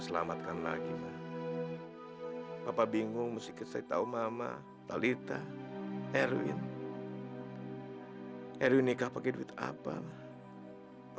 sampai jumpa di video selanjutnya